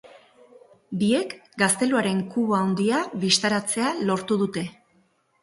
Biek, gazteluaren kubo handia bistaratzea lortu dute.